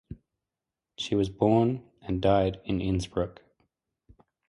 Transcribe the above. She was born and died in Innsbruck.